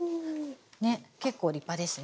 ね結構立派ですね。